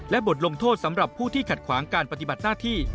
บทลงโทษสำหรับผู้ที่ขัดขวางการปฏิบัติหน้าที่